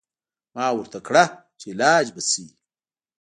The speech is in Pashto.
ما ورته کړه چې علاج به څه وي.